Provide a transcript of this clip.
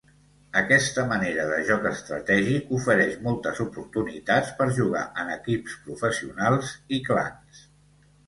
Aquesta manera de joc estratègic ofereix moltes oportunitats per jugar en equips professionals i clans.